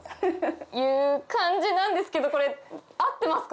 いう感じなんですけどこれ合ってますか？